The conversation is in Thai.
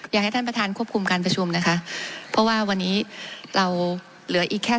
อยากให้ท่านประธานควบคุมการประชุมนะคะเพราะว่าวันนี้เราเหลืออีกแค่